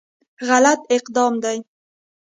غلط اقدام دی.